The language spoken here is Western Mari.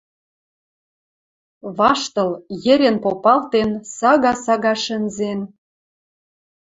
Ваштыл, йӹрен попалтен, сага-сага шӹнзен